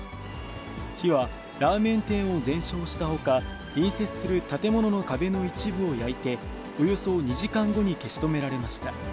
火はラーメン店を全焼したほか、隣接する建物の壁の一部を焼いて、およそ２時間後に消し止められました。